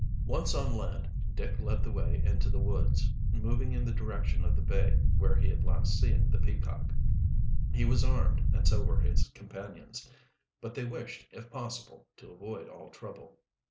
Once on land Dick led the way into the woods, moving in the direction of the bay where he had last seen the Peacock. He was armed, and so were his companions, but they wished, if possible, to avoid all trouble.